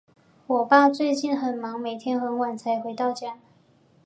我爸最近很忙，每天很晚才回到家。